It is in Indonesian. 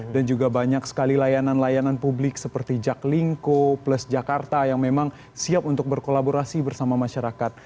dan juga banyak sekali layanan layanan publik seperti jaklingco plus jakarta yang memang siap untuk berkolaborasi bersama masyarakat